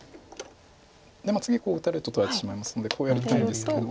で次こう打たれると取られてしまいますのでこうやりたいんですけど。